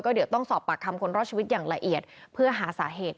เดี๋ยวต้องสอบปากคำคนรอดชีวิตอย่างละเอียดเพื่อหาสาเหตุ